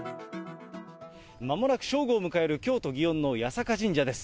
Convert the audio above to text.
まもなく正午を迎える京都・祇園の八坂神社です。